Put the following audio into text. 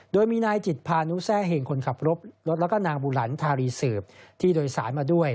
โดยมีนายจิตพานุแซ่เห่งคนขับรถรถแล้วก็นางบุหลันทารีสืบที่โดยสารมาด้วย